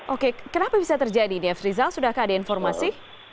oke kenapa bisa terjadi ini friza sudahkah ada informasi